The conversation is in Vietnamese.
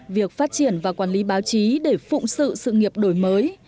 việc phát triển và quản lý báo chí để phụng sự sự nghiệp đổi mới